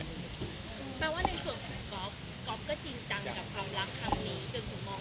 แปลว่าในส่วนของก๊อฟก๊อฟก็จริงจังกับความรักครั้งนี้จนผมมอง